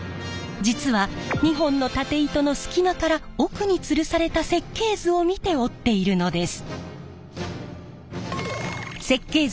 実は２本の縦糸の隙間から奥に吊るされた設計図を見て織っているのです。